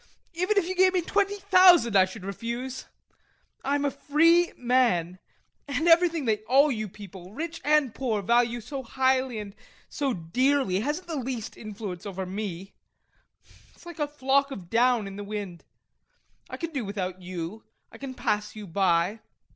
Even if you gave me twenty thousand I should refuse. I'm a free man. And everything that all you people, rich and poor, value so highly and so dearly hasn't the least influence over me; it's like a flock of down in the wind. I can do without you, I can pass you by.